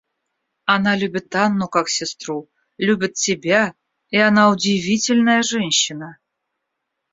Она любит Анну как сестру, любит тебя, и она удивительная женщина.